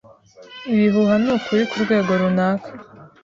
Ibihuha nukuri kurwego runaka.